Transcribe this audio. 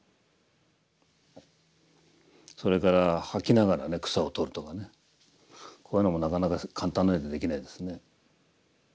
それから掃きながらね草を取るとかねこういうのもなかなか簡単なようでできないですね。